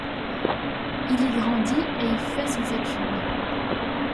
Il y grandit et y fait ses études.